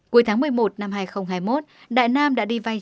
cuối tháng một mươi một năm hai nghìn hai mươi một đại nam đã đi vai trợ